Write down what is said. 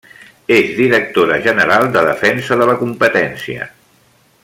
És Directora General de Defensa de la Competència.